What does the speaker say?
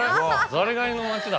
ザリガニの町だ。